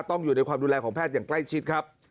ต้องอยู่ในความดูแลของแพทย์อย่างใกล้ชิดครับ